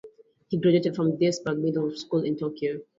He graduated from Daesung Middle School in Tokyo.